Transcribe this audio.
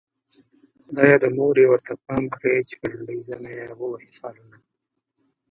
خدايه د مور يې ورته پام کړې چې په لنډۍ زنه يې ووهي خالونه